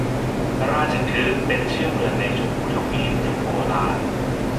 ราชคฤห์ เป็นชื่อเมืองในชมพูทวีปยุคโบราณ